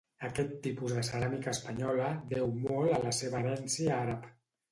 Aquest tipus de ceràmica espanyola deu molt a la seva herència àrab.